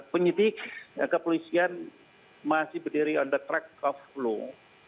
penyidik dan kepolisian masih berdiri on the track of law